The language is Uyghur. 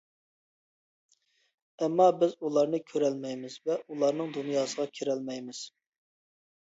ئەمما بىز ئۇلارنى كۆرەلمەيمىز ۋە ئۇلارنىڭ دۇنياسىغا كىرەلمەيمىز.